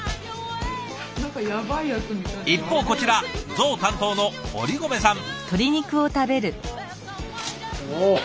一方こちらゾウ担当の堀籠さん。